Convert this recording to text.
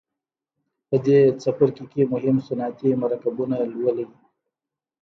په دې څپرکي کې مهم صنعتي مرکبونه لولئ.